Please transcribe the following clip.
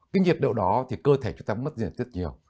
cái nhiệt độ đó thì cơ thể chúng ta mất diệt rất nhiều